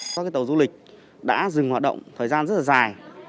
có cái tàu du lịch đã dừng hoạt động thời gian rất là dài